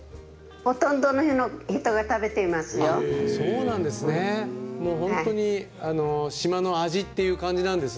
ほとんどの人が食べていますよ。